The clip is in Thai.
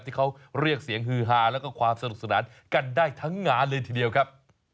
ที่เขาเรียกเสียงฮือฮาแล้วก็ความสนุกสนานกันได้ทั้งงานเลยทีเดียวครับ